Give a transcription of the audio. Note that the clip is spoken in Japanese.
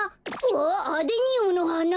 あっアデニウムのはな。